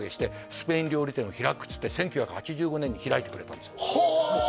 「スペイン料理店を開く」っつって１９８５年に開いてくれたんですよはあ！